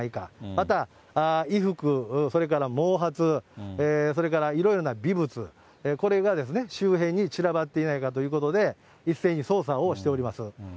また衣服、それから毛髪、それからいろいろな微物、これが周辺に散らばっていないかということで、一斉に捜査をしております。